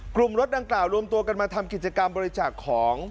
กลุ่มรถดังกล่าวรวมตัวกันมาทำกิจกรรมบริจาคของ